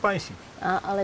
tôi thích bánh tráng